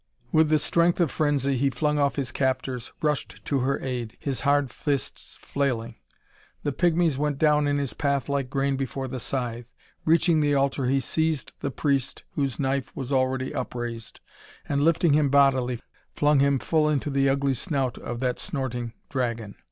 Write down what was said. With the strength of frenzy, he flung off his captors, rushed to her aid, his hard fists flailing. The pigmies went down in his path like grain before the scythe. Reaching the altar, he seized the priest whose knife was already upraised, and, lifting him bodily, flung him full into the ugly snout of that snorting dragon.